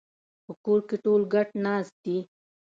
په کور کې ټول ګډ ناست دي